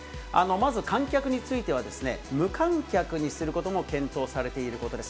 まず観客については、無観客にすることも検討されていることです。